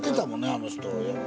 あの人。